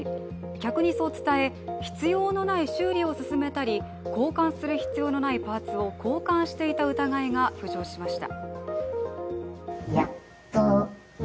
客にそう伝え必要のない修理を薦めたり交換する必要のないパーツを交換していた疑いが浮上しました。